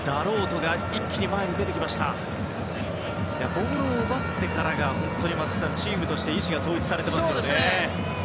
ボールを奪ってからが松木さん、本当にチームとして意思が統一されていますよね。